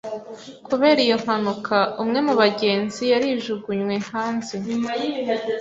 Kubera iyo mpanuka, umwe mu bagenzi yarijugunywe hanze.